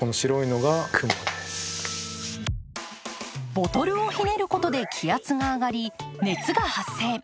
ボトルをひねることで気圧が上がり、熱が発生。